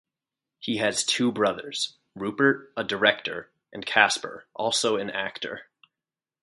He has two brothers: Rupert, a director, and Casper, also an actor.